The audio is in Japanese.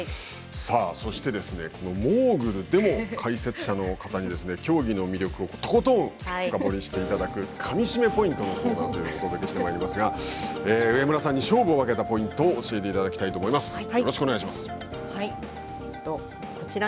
さあそしてこのモーグルでも解説者の方に競技の魅力をとことん深掘りしていただくかみしめポイントのコーナーということで上村さんに勝負を分けたポイントを教えていただきたいと思います。